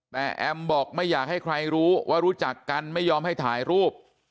แต่แอมบอกไม่อยากให้ใครรู้ว่ารู้จักกันไม่ยอมให้ถ่ายรูป